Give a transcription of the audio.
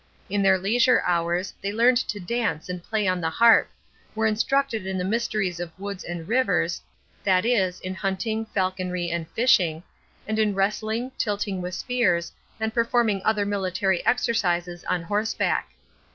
In their leisure hours they learned to dance and play on the harp, were instructed in the mysteries of woods and rivers, that is, in hunting, falconry, and fishing, and in wrestling, tilting with spears, and performing other military exercises on horseback.